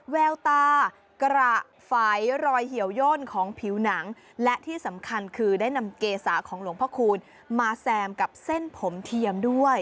แววตากระไฝรอยเหี่ยวย่นของผิวหนังและที่สำคัญคือได้นำเกษาของหลวงพ่อคูณมาแซมกับเส้นผมเทียมด้วย